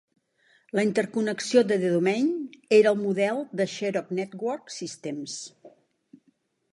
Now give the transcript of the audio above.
La interconnexió de Domain era el model de Xerox Network Systems.